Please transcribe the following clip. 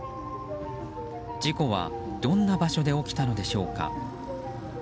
事故はどんな場所で起きたのでしょうか。